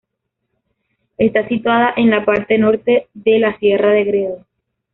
Está situada en la parte norte de la sierra de Gredos.